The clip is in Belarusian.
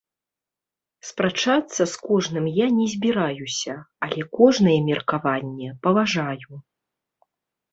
Спрачацца з кожным я не збіраюся, але кожнае меркаванне паважаю.